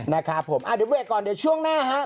เดี๋ยวเว่ยก่อนเดี๋ยวช่วงหน้าฮะ